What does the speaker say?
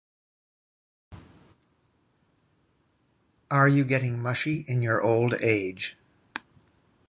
Are you getting mushy in your old age?